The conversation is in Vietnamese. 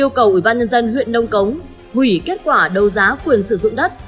yêu cầu ủy ban nhân dân huyện nông cống hủy kết quả đấu giá quyền sử dụng đất